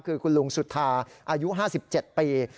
คือคุณลุงสุธาอายุ๕๗ปี